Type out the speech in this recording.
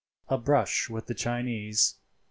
A BRUSH WITH THE CHINESE.—III.